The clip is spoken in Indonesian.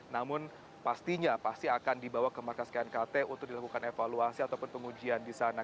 namun pastinya pasti akan dibawa ke markas knkt untuk dilakukan evaluasi ataupun pengujian di sana